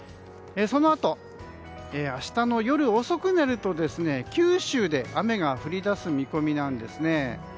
そのあと、明日の夜遅くになると九州で雨が降り出す見込みなんです。